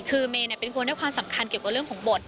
คือเมย์เป็นคนให้ความสำคัญเกี่ยวกับเรื่องของบท